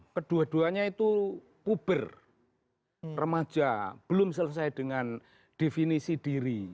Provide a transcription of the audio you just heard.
kedua duanya itu puber remaja belum selesai dengan definisi diri